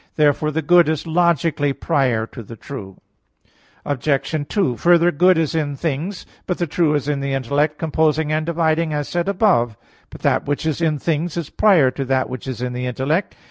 Therefore the good is logically prior to the true. Obj. 2: Further, good is in things, but the true in the intellect composing and dividing as said above (A. 2). But that which is in things is prior to that which is in the intellect.